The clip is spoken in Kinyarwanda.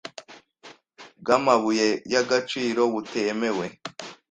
bw’amabuye y’agaciro butemewe,